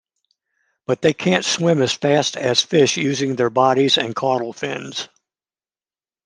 But they can't swim as fast as fish using their bodies and caudal fins.